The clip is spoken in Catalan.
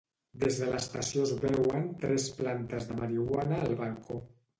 Des de l'estació es veuen tres plantes de marihuana al balcó